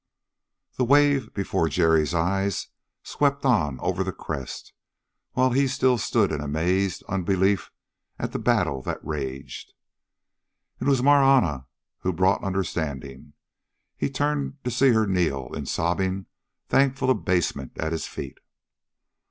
The wave, before Jerry's eyes, swept on over the crest, while he still stood in amazed unbelief at the battle that raged. It was Marahna who brought understanding. He turned to see her kneel in sobbing, thankful abasement at his feet.